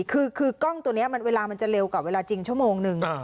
คือกล้องตัวนี้เวลามันจะเร็วกว่าเวลาจริงชั่วโมงนึง